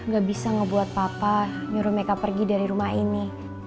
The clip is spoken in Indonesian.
gak bisa ngebuat papa nyuruh meka pergi dari rumah ini